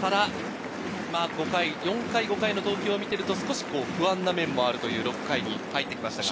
ただ４回、５回の投球を見ていると、少し不安な面もあるという６回に入ってきました。